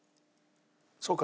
そうか。